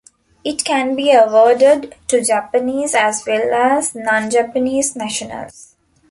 It can be awarded to Japanese as well as non-Japanese nationals.